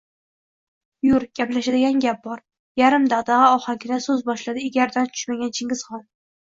Yur, gaplashadigan gap bor, – yarim dagʻdagʻa ohangida soʻz boshladi egardan tushmagan Chingizxon.